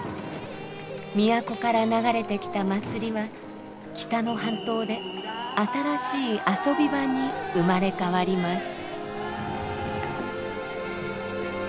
都から流れてきた祭りは北の半島で新しい遊び場に生まれ変わります。